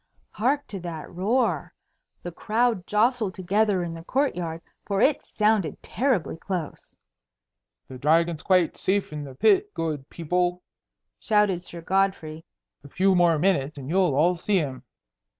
Hark to that roar! The crowd jostled together in the court yard, for it sounded terribly close. "The Dragon's quite safe in the pit, good people," shouted Sir Godfrey. "A few more minutes and you'll all see him."